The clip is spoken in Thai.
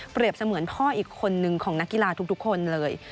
เสมือนพ่ออีกคนนึงของนักกีฬาทุกคนเลย